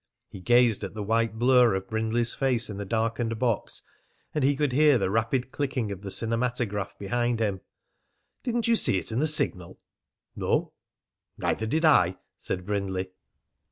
He gazed at the white blur of Brindley's face in the darkened box, and he could hear the rapid clicking of the cinematograph behind him. "Didn't you see it in the Signal?" "No." "Neither did I," said Brindley.